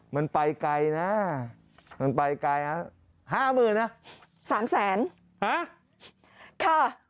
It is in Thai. มันไปไกลนะมันไปไกลฮะห้าหมื่นนะสามแสนฮะค่ะ